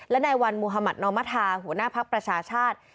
และในวันมหมาธนมธาหัวหน้าพักประชาชาติ